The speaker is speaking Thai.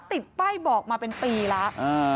ติดป้ายบอกมาเป็นปีแล้ว